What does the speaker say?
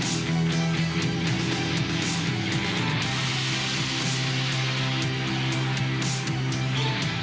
สวัสดีครับ